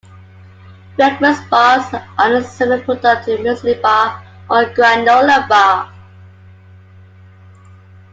Breakfast bars are a similar product to the muesli bar or granola bar.